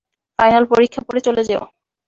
Final পরীক্ষা পরে চলে যেও।